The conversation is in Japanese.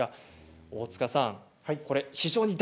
大塚さん